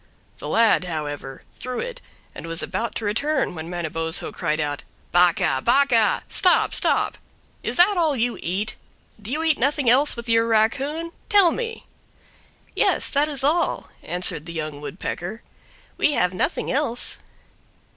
The lad, however, threw it, and was about to return when Manabozho cried out, "Bakah! Bakah! Stop, stop; is that all you eat? Do you eat nothing else with your raccoon? Tell me!" "Yes, that is all, answered the Young Woodpecker; "we have nothing else."